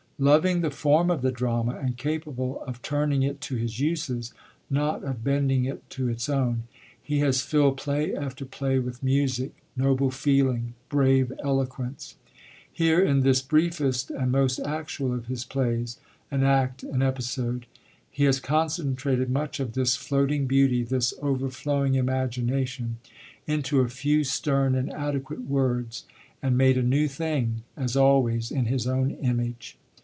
Loving the form of the drama, and capable of turning it to his uses, not of bending it to its own, he has filled play after play with music, noble feeling, brave eloquence. Here in this briefest and most actual of his plays an act, an episode he has concentrated much of this floating beauty, this overflowing imagination, into a few stern and adequate words, and made a new thing, as always, in his own image.